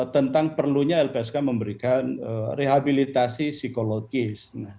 tentang perlunya lpsk memberikan rehabilitasi psikologis